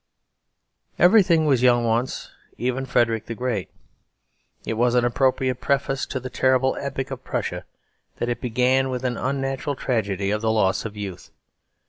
Everything was young once, even Frederick the Great. It was an appropriate preface to the terrible epic of Prussia that it began with an unnatural tragedy of the loss of youth.